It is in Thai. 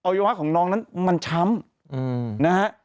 วัยวะของน้องนั้นมันช้ำนะฮะ